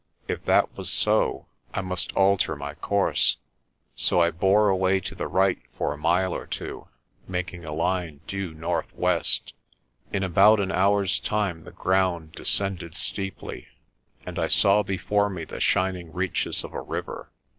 If that was so, I must alter my course j so I bore away to the right for a mile or two, making a line due northwest. In about an hour's time the ground descended steeply, and I saw before me the shining reaches of a river.